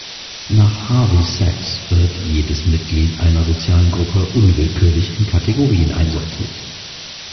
Nach Harvey Sacks wird jedes Mitglied einer sozialen Gruppe unwillkürlich in Kategorien einsortiert.